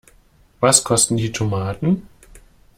Was kosten die Tomaten?